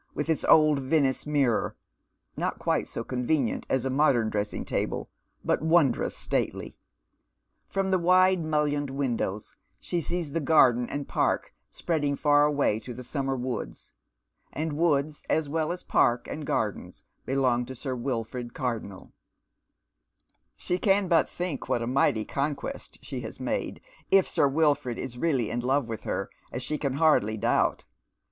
h its old Venice mirror, not quite so convenient as a modern dress ing table, but wondrous stately. From the wide mullioned window she sees the garden and park spreading far away to the summer woods, and woods as well as park and gardens belong to Sir Wilford Cardonnel, She can but think what a mighty conquest she has made, if Sir Wilford is really in love with her, as she can hardly doubt.